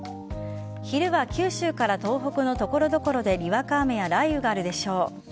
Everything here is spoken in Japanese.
昼は九州から東北の所々でにわか雨や雷雨があるでしょう。